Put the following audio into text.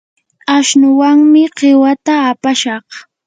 ashnuwanmi qiwata apashaq.